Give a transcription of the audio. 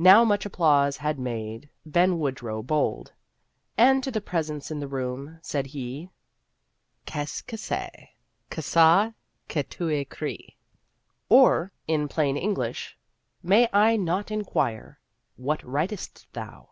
Now much applause had made Ben Woodrow bold And to the Presence in the room said he, "Qu'est ce que c'est que ça que tu ecris?" Or, in plain English, "May I not inquire What writest thou?"